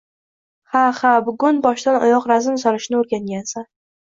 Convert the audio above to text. Ha, ha, bugun boshdan oyoq razm solishni o'rgangansan